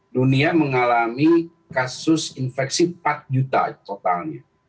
dunia mengalami kasus infeksi empat juta totalnya